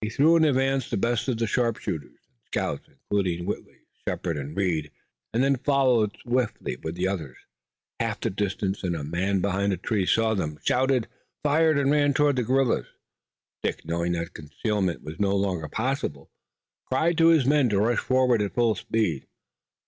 He threw in advance the best of the sharpshooters and scouts, including Whitley, Shepard and Reed, and then followed swiftly with the others. Half the distance and a man behind a tree saw them, shouted, fired and ran toward the guerrillas. Dick, knowing that concealment was no longer possible, cried to his men to rush forward at full speed.